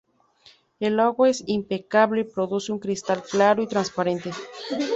El agua es impecable y produce un cristal claro y transparente.